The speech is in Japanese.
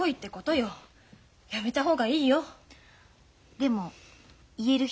でも言える人